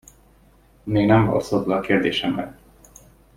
Még nem válaszoltál a kérdésemre.